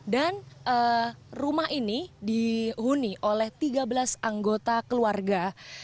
dan rumah ini dihuni oleh tiga belas anggota keluarga